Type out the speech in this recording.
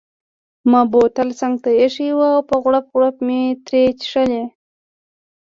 ما بوتل څنګته ایښی وو او په غوړپ غوړپ مې ترې څیښل.